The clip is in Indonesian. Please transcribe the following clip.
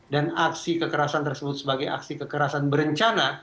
dan aksi kekerasan tersebut sebagai aksi kekerasan berencana